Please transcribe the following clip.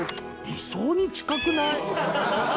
理想に近くない？